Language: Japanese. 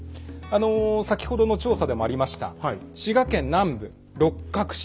先ほどの調査でもありました滋賀県南部六角氏。